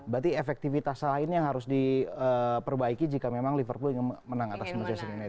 berarti efektivitas lain yang harus diperbaiki jika memang liverpool menang atas manchester united